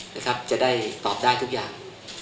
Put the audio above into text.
นะครับจะได้ตอบได้ทุกอย่าง